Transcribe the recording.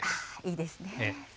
いいですね。